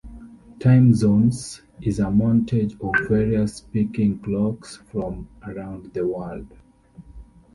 "Time Zones" is a montage of various speaking clocks from around the world.